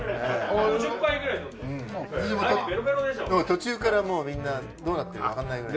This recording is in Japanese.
途中からもうみんなどうなってるかわからないくらい。